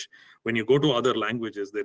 jika anda menggunakan bahasa lain